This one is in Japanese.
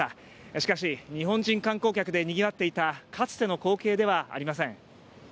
しかし、日本人観光客でにぎわっていたかつての光景ではありません。